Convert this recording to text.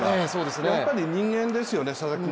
やっぱり人間ですよね、佐々木君。